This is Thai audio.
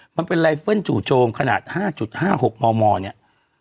มันเป็นไลเฟิลจู่โจมขนาด๕๕๖มมเนี่ย